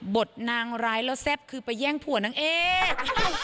ทนายแล้วแซ่บคือไปแย่งผัวนางเอก